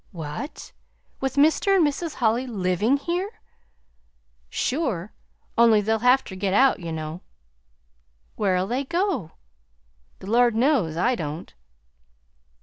"What, with Mr. and Mrs. Holly LIVING here?" "Sure! Only they'll have ter git out, ye know." "Where'll they go?" "The Lord knows; I don't."